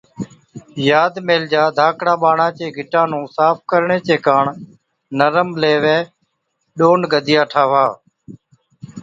ياد ميهلجا، ڌاڪڙان ٻاڙان چي گِٽان نُون صاف ڪرڻي چي ڪاڻ نرم ليوي ڏون گدِيا ٺاهوا